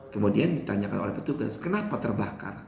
kemudian ditanyakan oleh petugas kenapa terbakar